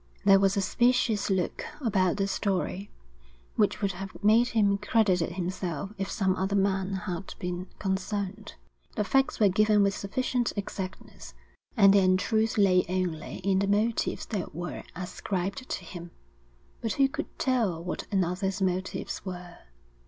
There was a specious look about the story, which would have made him credit it himself if some other man had been concerned. The facts were given with sufficient exactness, and the untruth lay only in the motives that were ascribed to him; but who could tell what another's motives were?